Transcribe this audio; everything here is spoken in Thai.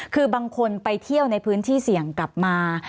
คือบางคนไปเที่ยวในพื้นที่เสี่ยงกลับมา